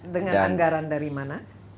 dengan anggaran dari mana